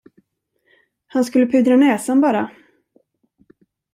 Han skulle pudra näsan, bara.